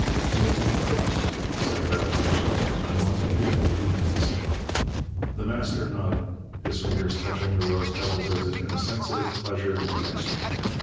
"We'll talk first," said Bell harshly. "I want to hear what you have to say." The Master nodded, his fingers touching the rose petals as if in a sensitive pleasure in their texture.